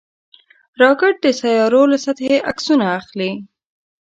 راکټ د سیارویو له سطحې عکسونه اخلي